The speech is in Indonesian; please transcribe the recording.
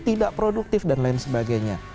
tidak produktif dan lain sebagainya